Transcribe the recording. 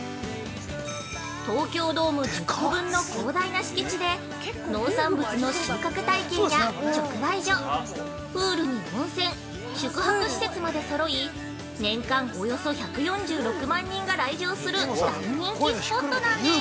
◆東京ドーム１０個分の広大な敷地で農産物の収穫体験や直売所プールに温泉宿泊施設までそろい年間およそ１４６万人が来場する大人気スポットなんです。